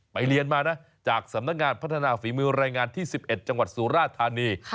เรียนมานะจากสำนักงานพัฒนาฝีมือรายงานที่๑๑จังหวัดสุราธานี